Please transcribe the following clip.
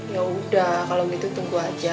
yaudah kalau gitu tunggu aja